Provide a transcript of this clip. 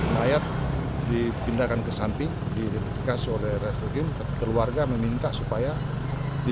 mayat dipindahkan ke samping diidentifikasi oleh revel game keluarga meminta supaya di